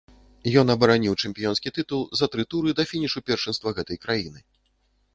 Ён абараніў чэмпіёнскі тытул за тры туры да фінішу першынства гэтай краіны.